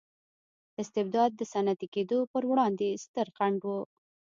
استبداد د صنعتي کېدو پروړاندې ستر خنډ و.